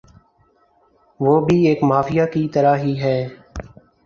۔ وہ بھی ایک مافیا کی طرح ھی ھیں